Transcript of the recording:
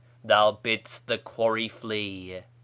' Thou bid'st the quarry flee